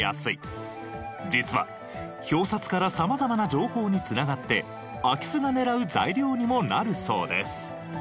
実は表札から様々な情報に繋がって空き巣が狙う材料にもなるそうです。